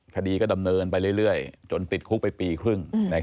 คดีก็ดำเนินไปเรื่อยจนติดคุกไปปีครึ่ง